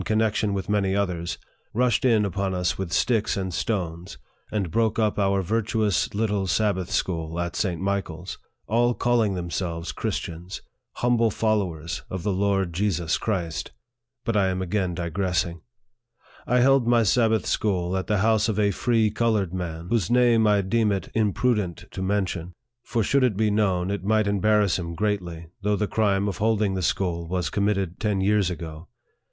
connection with many others, rushed in upon us with sticks and stones, and broke up our virtuous little Sabbath school, at St. Michael's all calling themselves Christians ! humble followers of the Lord Jesus Christ ! But I am again digressing. I held my Sabbath school at the house of a free colored man, whose name I deem it imprudent to men tion ; for should it be known, it might embarrass him greatly, though the crime of holding the school was committed ten years ago.